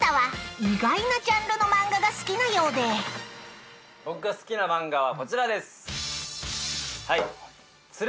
意外なジャンルのマンガが好きなようで僕が好きなマンガはこちらです。